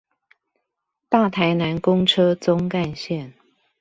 大台南公車棕幹線